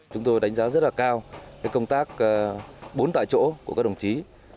chúng tôi đánh giá rất là cao công tác bốn tại chỗ của các đồng chí